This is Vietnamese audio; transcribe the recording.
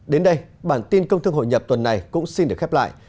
đến đây bản tin công thương hội nhập tuần này cũng xin được khép lại